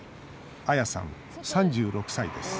アヤさん、３６歳です